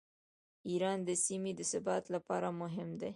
ایران د سیمې د ثبات لپاره مهم دی.